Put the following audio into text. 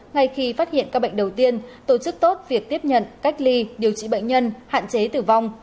ngay khi phát hiện các bệnh đầu tiên tổ chức tốt việc tiếp nhận cách ly điều trị bệnh nhân hạn chế tử vong